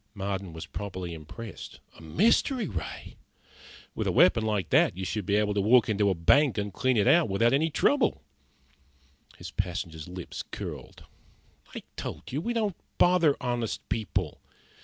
Marden was properly impressed. "A mystery ray! With a weapon like that, you should be able to walk into a bank and clean it out without any trouble." His passenger's lips curled. "I told you, we don't bother honest people.